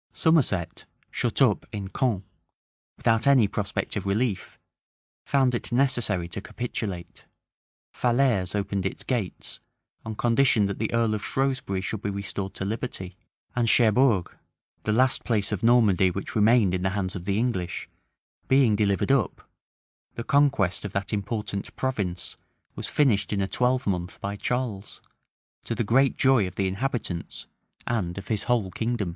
Somerset, shut up in Caen, without any prospect of relief, found it necessary to capitulate: Falaise opened its gates, on condition that the earl of Shrewsbury should be restored to liberty: and Cherbourg, the last place of Normandy which remained in the hands of the English, being delivered up, the conquest of that important province was finished in a twelvemonth by Charles, to the great joy of the inhabitants, and of his whole kingdom.